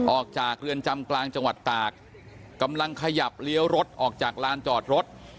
ออกจากเรือนจำกลางจังหวัดตากกำลังขยับเลี้ยวรถออกจากลานจอดรถ